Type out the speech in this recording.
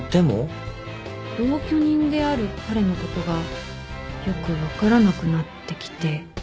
同居人である彼のことがよく分からなくなってきて。